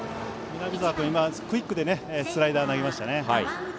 南澤君は今クイックでスライダーを投げましたね。